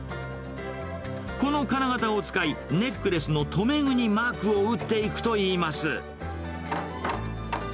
この金型を使い、ネックレスの留め具にマークを打っていくといいます。